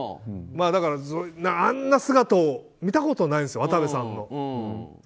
だから、あんな姿を見たことないんです、渡部さんの。